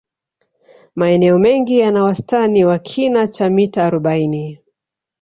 Maeneo mengi yana wastani wa kina cha mita arobaini